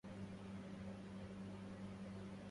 ويدانا على سَفَر